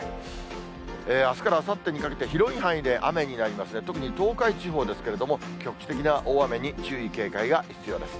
あすからあさってにかけて、広い範囲で雨になりますが、特に東海地方ですけれども、局地的な大雨に注意、警戒が必要です。